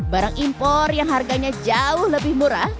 barang impor yang harganya jauh lebih murah